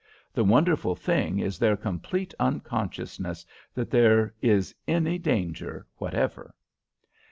The wonderful thing is their complete unconsciousness that there is any danger whatever."